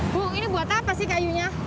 bu ini buat apa sih kayunya